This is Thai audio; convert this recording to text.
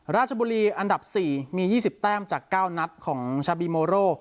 ราชบุรีอันดับ๔มี๒๐แต้มจาก๙นัดของชาบีโมโร